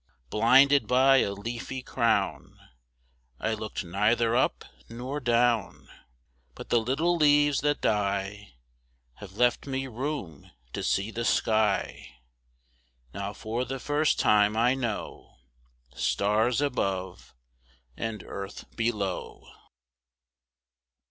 Blinded by a leafy crownI looked neither up nor down—But the little leaves that dieHave left me room to see the sky; Now for the first time I knowStars above and earth below.